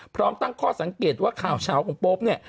พร้อมตั้งข้อสังเกตว่าข่าวเฉาของโป๊ปเนี่ย